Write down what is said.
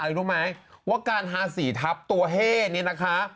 หรือรู้ไหมว่าการทาร์สีทับตัวให้นี่นะคะ